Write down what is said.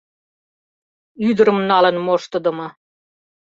Ӱдырым налын моштыдымо